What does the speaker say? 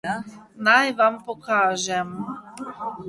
Naj vam pokažem.